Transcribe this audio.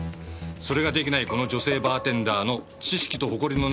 それが出来ないこの女性バーテンダーの知識と誇りのな